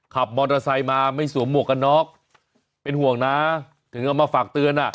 ขับมอเตอร์ไซค์มาไม่สวมหมวกกันน็อกเป็นห่วงนะถึงเอามาฝากเตือนอ่ะ